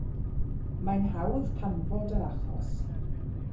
Mae'n hawdd canfod yr achos.